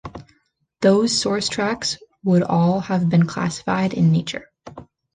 Those source tracks would all have been classical in nature.